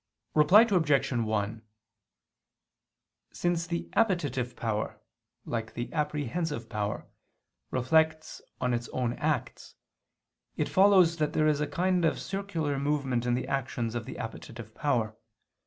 Reply Obj. 1: Since the appetitive power, like the apprehensive power, reflects on its own acts, it follows that there is a kind of circular movement in the actions of the appetitive power.